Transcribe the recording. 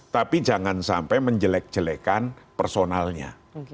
tapi jangan sampai menjelek jelekkan personalnya